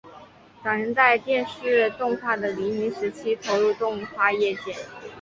早年在电视动画的黎明时期投入动画业界。